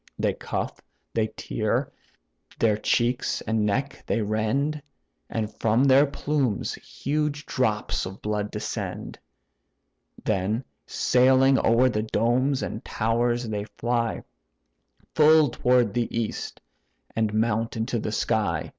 They cuff, they tear; their cheeks and neck they rend, And from their plumes huge drops of blood descend; Then sailing o'er the domes and towers, they fly, Full toward the east, and mount into the sky.